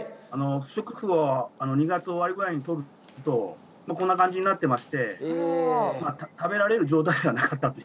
不織布を２月終わりぐらいに取るとこんな感じになってまして食べられる状態ではなかったと。